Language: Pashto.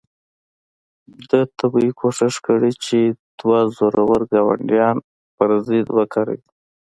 ده طبیعي کوښښ کړی چې دوه زورور ګاونډیان پر ضد وکاروي.